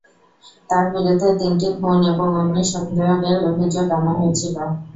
তার বিরুদ্ধে তিনটি খুন এবং অগ্নিসংযোগের অভিযোগ আনা হয়েছিল।